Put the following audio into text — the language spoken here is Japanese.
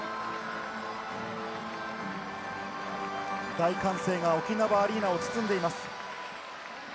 大歓声が沖縄アリーナを包んでいます。